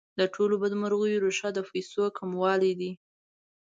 د ټولو بدمرغیو ریښه د پیسو کموالی دی.